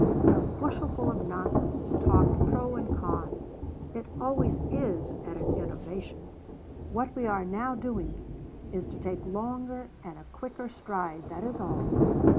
A bushelful of nonsense is talked pro and con: it always is at an innovation. What we are now doing, is to take a longer and a quicker stride, that is all.'